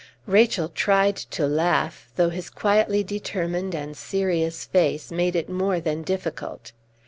Rachel tried to laugh, though his quietly determined and serious face made it more than difficult.